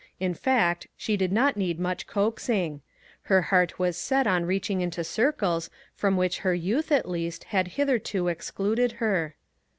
In fact, she did not need much coaxing ; her heart was set on reaching into cir cles from which her youth, at least, had hitherto excluded her.